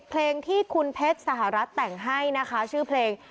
เพลงที่คุณเพชรสหรัฐแต่งให้นะคะชื่อเพลง